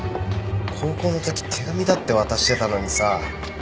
高校の時手紙だって渡してたのにさ。